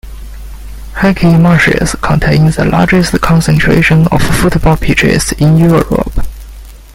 Hackney Marshes contain the largest concentration of football pitches in Europe.